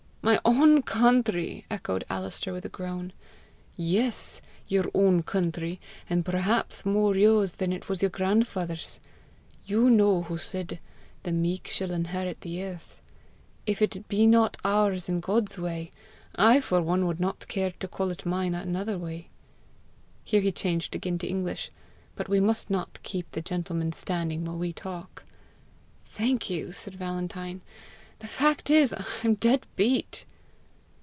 "My own country!" echoed Alister with a groan. "Yes, your own country and perhaps more yours than it was your grandfather's! You know who said, 'The meek shall inherit the earth'! If it be not ours in God's way, I for one would not care to call it mine another way." Here he changed again to English. "But we must not keep the gentleman standing while we talk!" "Thank you!" said Valentine. "The fact is, I'm dead beat."